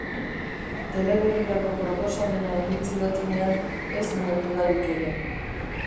Teleberrirako proposamena egin zidatenean ez nuen dudarik egin.